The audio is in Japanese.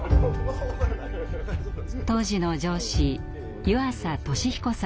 当時の上司湯浅利彦さんです。